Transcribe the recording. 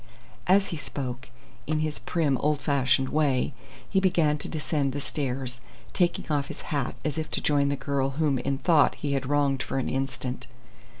As he spoke, in his prim, old fashioned way, he began to descend the stairs, taking off his hat, as if to join the girl whom in thought he had wronged for an instant.